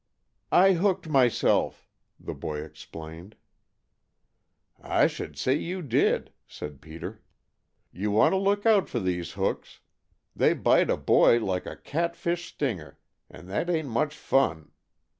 "I hooked myself," the boy explained. "I should say you did," said Peter. "You want to look out for these hooks, they bite a boy like a cat fish stinger, and that ain't much fun.